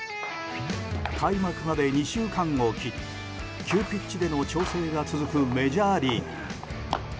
開幕まで２週間を切り急ピッチでの調整が続くメジャーリーグ。